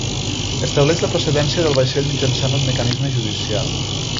Estableix la procedència del vaixell mitjançant un mecanisme judicial.